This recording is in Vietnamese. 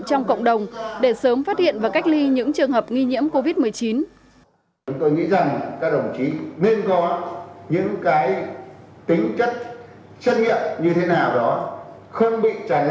trong cộng đồng để sớm phát hiện và cách ly những trường hợp nghi nhiễm covid một mươi chín